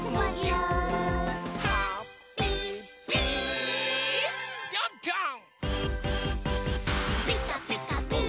うん！